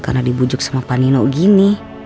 karena dibujuk sama pan nino gini